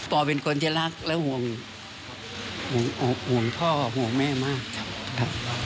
เป็นคนที่รักและห่วงพ่อห่วงแม่มากครับ